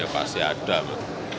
ya pasti ada